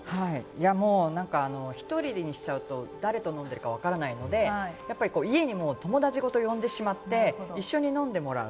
もう１人にしちゃうと誰と飲んでるかわからないので、家に友達ごと呼んでしまって、一緒に飲んでもらう。